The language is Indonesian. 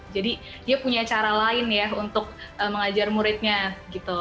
jadi dia punya cara lain ya untuk mengajar muridnya gitu